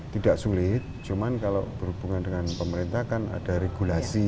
tidak sulit cuman kalau berhubungan dengan pemerintah kan ada regulasi